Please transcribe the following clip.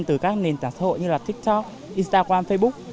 từ các nền tảng xã hội như là tiktok instagram facebook